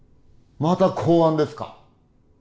また公安ですか。